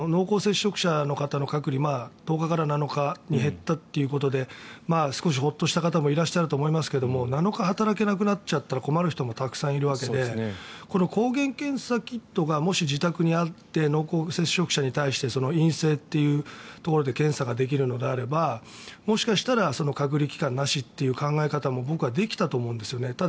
さっきの濃厚接触者の方の隔離１０日から７日に減ったということで少しホッとした方もいらっしゃると思いますが７日働けなくなっちゃったら困る人もたくさんいるわけでこの抗原検査キットが自宅にあって濃厚接触者に対して陰性というところで検査ができるのであればもしかしたら隔離期間なしという考え方も僕はできたと思うんですよね。